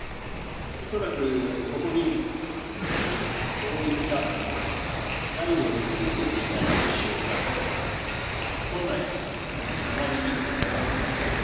恐らくここにこういったザイルを結びつけていたのでしょうが本来あまりいい事ではありません。